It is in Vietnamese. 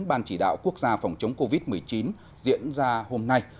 ban chỉ đạo quốc gia phòng chống covid một mươi chín diễn ra hôm nay